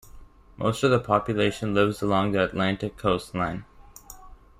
Most of the population lives along the Atlantic coastline.